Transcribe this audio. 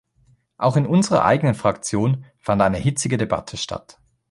Auch in unserer eigenen Fraktion fand eine hitzige Debatte statt.